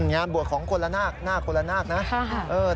งานบวชของคนละนาคนาคคนละนาคนะ